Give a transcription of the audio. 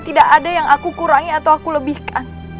tidak ada yang aku kurangi atau aku lebihkan